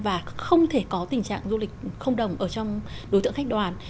và không thể có tình trạng du lịch không đồng ở trong đối tượng khách đoàn